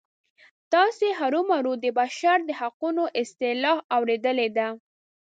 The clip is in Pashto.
تاسې هرومرو د بشر د حقونو اصطلاح اوریدلې ده.